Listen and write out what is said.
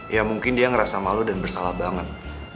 ya mungkin dia ngerasa malu dan bersalah banget